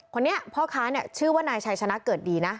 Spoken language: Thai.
คนนี้พ่อค้าเนี่ยชื่อว่านายชัยชนะเกิดดีนะ